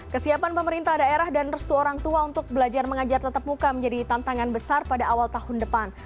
kesiapan pemerintah daerah dan restu orang tua untuk belajar mengajar tetap muka menjadi tantangan besar pada awal tahun depan